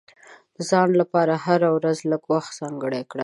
د ځان لپاره هره ورځ لږ وخت ځانګړی کړه.